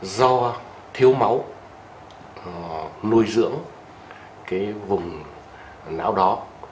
do thiếu máu nuôi dưỡng cái vùng não đó